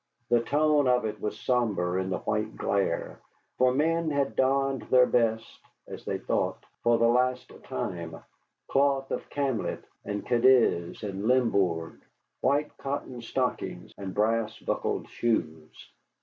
The tone of it was sombre in the white glare, for men had donned their best (as they thought) for the last time, cloth of camlet and Cadiz and Limbourg, white cotton stockings, and brass buckled shoes.